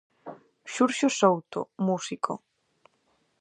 Xurxo Souto, músico.